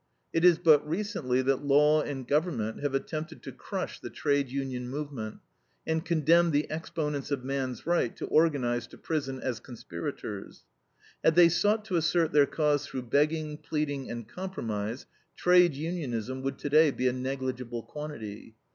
It is but recently that law and government have attempted to crush the trade union movement, and condemned the exponents of man's right to organize to prison as conspirators. Had they sought to assert their cause through begging, pleading, and compromise, trade unionism would today be a negligible quantity.